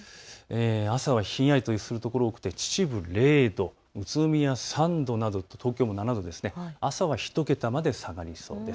朝はひんやりとするところが多くて秩父０度、宇都宮３度など東京も７度、朝は１桁まで下がりそうです。